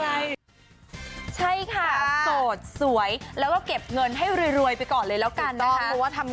ถ้าจะเจอใครก็ไม่มีเวลาที่จะแบบไป